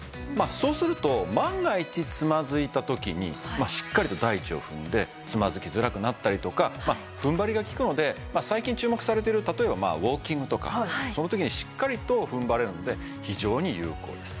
そうすると万が一つまずいた時にしっかりと大地を踏んでつまずきづらくなったりとか踏ん張りがきくので最近注目されてる例えばウォーキングとかその時にしっかりと踏ん張れるので非常に有効です。